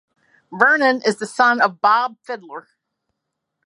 Vernon is the son of Bob Fiddler.